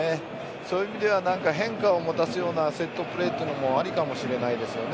そういう意味では何か変化を持たすようなセットプレーとかもありかもしれないですよね。